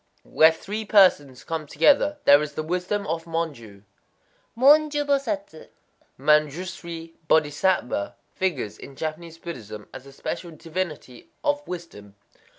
_ Where three persons come together, there is the wisdom of Monjū. Monjū Bosatsu [Mañdjus'ri Bodhisattva] figures in Japanese Buddhism as a special divinity of wisdom.